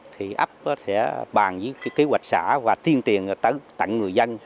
thì ấp sẽ bàn với kế hoạch xã và tiên tiền tặng người dân